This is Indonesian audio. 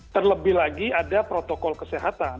terlebih lagi ada protokol kesehatan